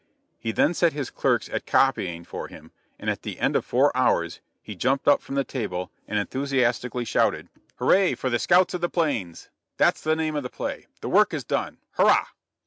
He then set his clerks at copying for him, and at the end of four hours, he jumped up from the table, and enthusiastically shouted: "Hurrah for 'The Scouts of the Plains!' That's the name of the play. The work is done. Hurrah!"